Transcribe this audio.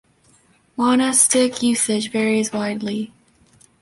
Monastic usage varies widely.